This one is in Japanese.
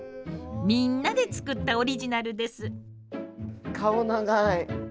みんなで作ったオリジナルです。